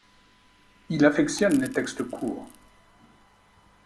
Il affectionne les textes courts.